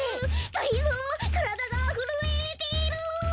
がりぞーからだがふるえてるう。